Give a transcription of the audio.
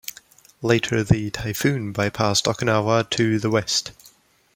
Later, the typhoon bypassed Okinawa to the west.